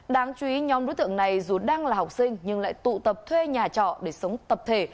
đáng chú ý nhóm đối tượng này dù đang là học sinh nhưng lại tụ tập thuê nhà trọ để sống tập thể